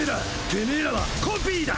てめらはコピーだ！